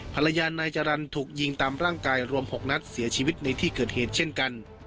ภรรยานายจรรย์ถูกยิงตามร่างกายรวม๖นัดเสียชีวิตในที่เกิดเหตุเช่นกัน